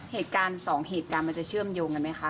เหตุการณ์สองเหตุการณ์มันจะเชื่อมโยงกันไหมคะ